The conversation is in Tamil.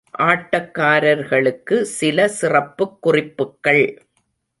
ஆட்டக்காரர்களுக்கு சில சிறப்புக் குறிப்புக்கள் ….